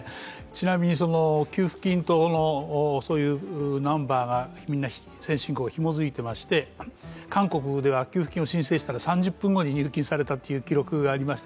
ちなみに、給付金等のナンバーが先進国は紐づいていて韓国では給付金を申請したら３０分後に入金されたという記録があります。